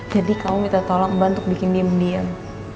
jadi kamu minta tolong mbak untuk bikin diem diem